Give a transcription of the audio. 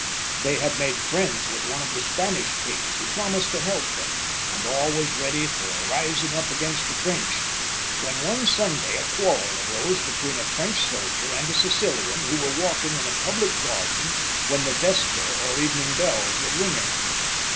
They had made friends with one of the Spanish kings, who promised to help them, and all was ready for a rising up against the French, when one day a quarrel rose between a French soldier and a Sicilian who were walking in a public garden one Sunday when the vesper or evening bells were just ringing.